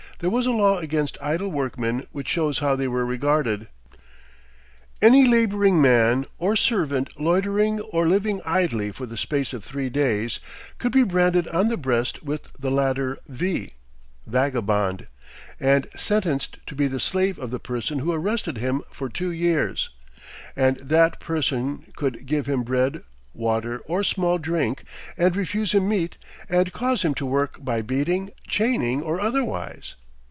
there was a law against idle workmen which shows how they were regarded. Any laboring man or servant loitering or living idly for the space of three days could be branded on the breast with the latter V (vagabond) and sentenced to be the slave of the person who arrested him for two years; and that person could "give him bread, water, or small drink, and refuse him meat, and cause him to work by beating, chaining, or otherwise."